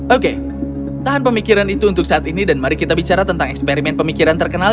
oke tahan pemikiran itu untuk saat ini dan mari kita bicara tentang eksperimen pemikiran terkenal